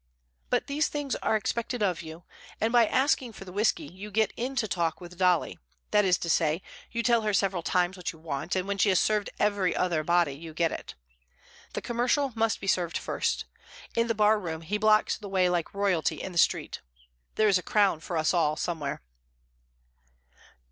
But these things are expected of you, and by asking for the whisky you get into talk with Dolly; that is to say, you tell her several times what you want, and when she has served every other body you get it. The commercial must be served first; in the barroom he blocks the way like royalty in the street. There is a crown for us all somewhere.